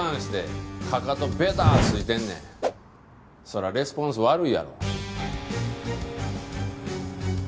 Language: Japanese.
そらレスポンス悪いやろ。